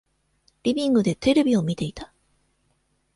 リビングでテレビを見ていた。